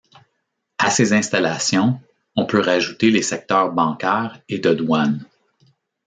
À ces installations, on peut rajouter les secteurs bancaires et de douanes.